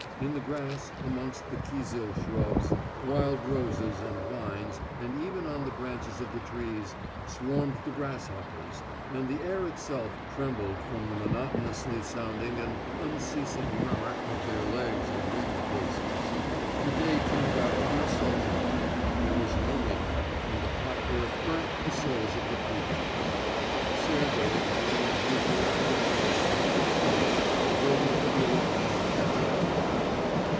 In the grass, amongst the kizil shrubs, wild roses and vines, and even on the branches of the trees, swarmed the grasshoppers, and the air itself trembled from the monotonously sounding and unceasing murmur of their legs and wing cases. The day turned out to be a sultry one; there was no wind, and the hot earth burnt the soles of the feet. Sergey, going as usual ahead of grandfather, stopped, and waited for the old man to catch up to him.